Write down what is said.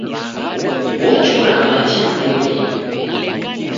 Ochura machi mtunginyi